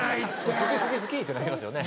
「好き好き好き」ってなりますよね。